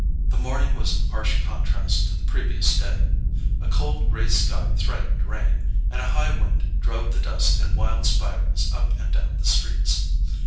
The morning was in harsh contrast to the previous day. A cold grey sky threatened rain, and a high wind drove the dust in wild spirals up and down the streets.